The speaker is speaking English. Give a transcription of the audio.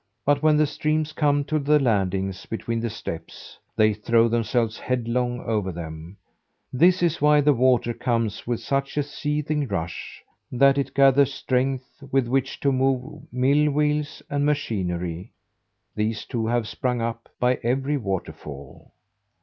But when the streams come to the landings between the steps, they throw themselves headlong over them; this is why the water comes with such a seething rush, that it gathers strength with which to move mill wheels and machinery these, too, have sprung up by every waterfall.